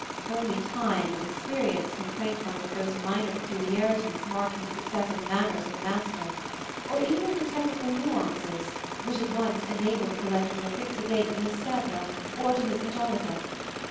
Only time and experience can acquaint one with those minor peculiarities marking the successive "manners" of a master, or even with the technical nuances which at once enable the collector to affix a date to his Sèvres or to his maiolica.